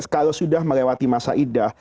kalau sudah melewati masa indah